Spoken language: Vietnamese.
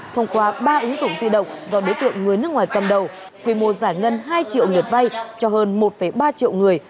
thông qua ba ứng dụng di động do đối tượng người nước ngoài cầm đầu quy mô giải ngân hai triệu lượt vay cho hơn một ba triệu người